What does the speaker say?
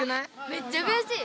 めっちゃくやしい。